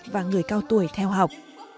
và người cao tuổi theo học